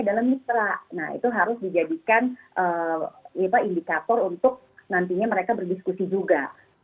nah itu harus dijadikan indikator untuk nantinya mereka berdiskusi juga